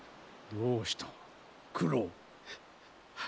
どうした九郎。